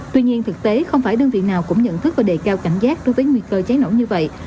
tuy nhiên thực tế không phải đơn vị nào cũng nhận thức và đề cao cảnh giác đối với nguy cơ cháy nổ như vậy